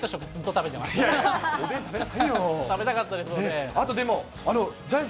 食べたかったです、おでん。